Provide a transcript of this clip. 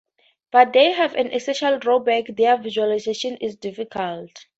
But they have an essential drawback: their visualization is difficult.